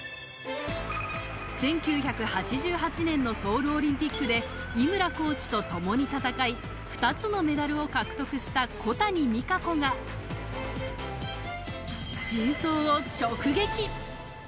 １９８８年のソウルオリンピックで井村コーチとともに戦い２つのメダルを獲得した小谷実可子が真相を直撃。